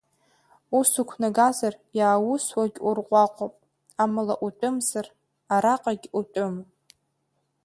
Ус уқәнагазар иааусуагь урҟәаҟәап, амала, утәымзар араҟагь утәым.